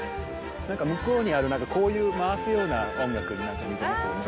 なんか向こうにあるこういう回すような音楽になんか似てますよね。